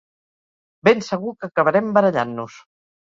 Ben segur que acabarem barallant-nos.